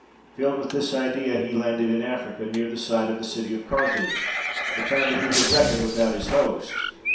Filled with this idea he landed in Africa, near the site of the city of Carthage, but found that he had reckoned without his host.